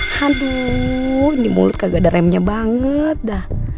haduh ini mulut kagak ada remnya banget dah